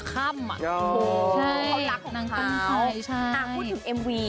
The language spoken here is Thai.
กับเพลงที่มีชื่อว่ากี่รอบก็ได้